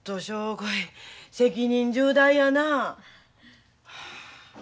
こい責任重大やなあ。